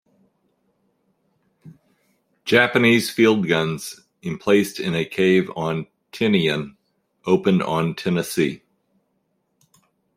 Japanese field guns, emplaced in a cave on Tinian, opened on "Tennessee".